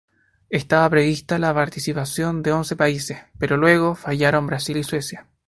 Estaba prevista la participación de once países, pero luego fallaron Brasil y Suecia.